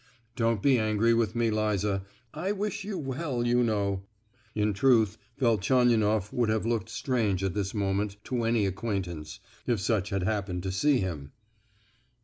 Don't be angry with me, Liza; I wish you well, you know!" In truth, Velchaninoff would have looked strange at this moment to any acquaintance, if such had happened to see him!